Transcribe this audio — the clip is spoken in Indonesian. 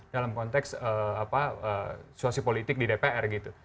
dalam konteks situasi politik di dpr gitu